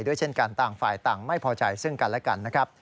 ด้วยเช่นกันต่างฝ่ายต่างไม่พอใจร่วมกันและกัน